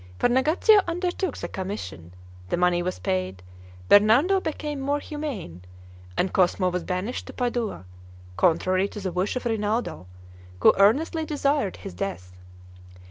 Farnagaccio undertook the commission, the money was paid, Bernardo became more humane, and Cosmo was banished to Padua, contrary to the wish of Rinaldo, who earnestly desired his death.